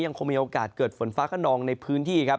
ยังคงมีโอกาสเกิดฝนฟ้าขนองในพื้นที่ครับ